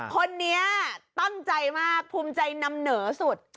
คนนี้ตั้งใจมากภูมิใจนำเหนอสุด